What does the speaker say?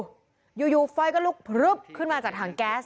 เร็วแล้วมันก็ลุกมันขึ้นมาจากข้างแก๊ส